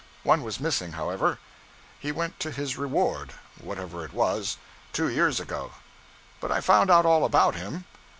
One was missing, however; he went to his reward, whatever it was, two years ago. But I found out all about him.